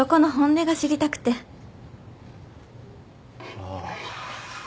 ああ。